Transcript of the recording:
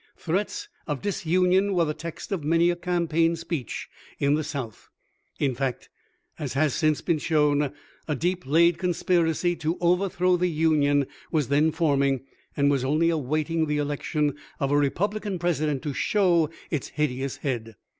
Threats of disunion were the texts of many a campaign speech in the South : in fact, as has since been shown, a deep laid conspiracy to overthrow the Union was then forming, and was only awaiting the election of a Republican President to show its hid eous head.